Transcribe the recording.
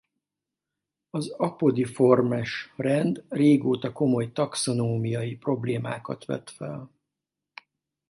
Az Apodiformes rend régóta komoly taxonómiai problémákat vet fel.